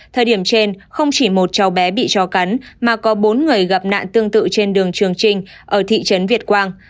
thời điểm trên không chỉ một cháu bé bị chó cắn mà có bốn người gặp nạn tương tự trên đường trường trinh ở thị trấn việt quang